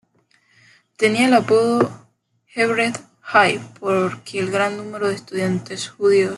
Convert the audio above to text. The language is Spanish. Tenía el apodo "Hebrew High" porque el gran número de estudiantes judíos.